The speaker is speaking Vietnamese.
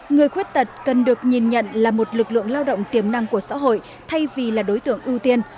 người khuyết tật cần được nhìn nhận là một lực lượng lao động tiềm năng của xã hội thay vì là đối tượng ưu tiên